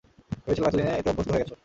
ভেবেছিলাম এতদিনে এতে অভ্যস্ত হয়ে গেছো।